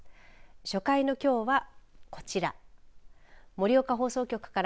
初回のきょうは、こちら。